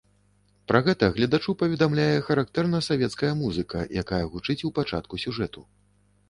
Пра гэта гледачу паведамляе характэрна савецкая музыка, якая гучыць у пачатку сюжэту.